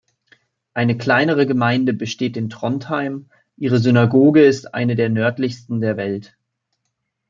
Eine kleinere Gemeinde besteht in Trondheim; ihre Synagoge ist eine der nördlichsten der Welt.